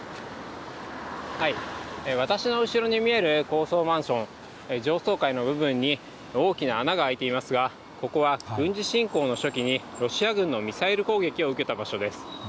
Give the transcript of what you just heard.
私の後ろに見える高層マンション、上層階の部分に大きな穴が開いていますが、ここは軍事侵攻の初期に、ロシア軍のミサイル攻撃を受けた場所です。